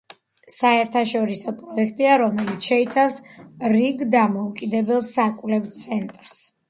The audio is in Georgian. საერთაშორისო პროექტია, რომელიც შეიცავს რიგ დამოუკიდებელ საკვლევ ცენტრს.